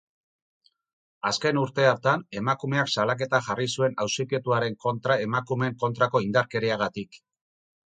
Azken urte hartan, emakumeak salaketa jarri zuen auzipetuaren kontra emakumeen kontrako indarkeriagatik.